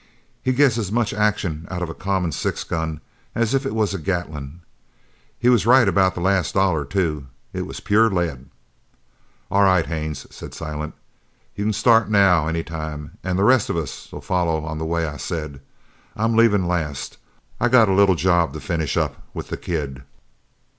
He gets as much action out of a common six gun as if it was a gatling. He was right about that last dollar, too. It was pure lead!" "All right, Haines," said Silent. "You c'n start now any time, an' the rest of us'll follow on the way I said. I'm leavin' last. I got a little job to finish up with the kid."